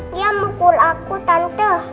dia mukul aku tante